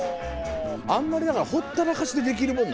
あんまりだからほったらかしでできるもん？